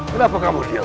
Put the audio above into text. tempat dari dia